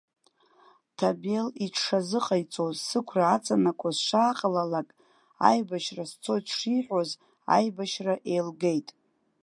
Ҭамел иҽшазыҟаиҵоз, сықәра аҵанакуа сшааҟалалак аибашьра сцоит шиҳәоз, аибашьра еилгеит.